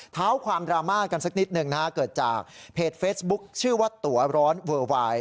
เท้าความดราม่ากันสักนิดหนึ่งนะฮะเกิดจากเพจเฟซบุ๊คชื่อว่าตัวร้อนเวอร์ไวน์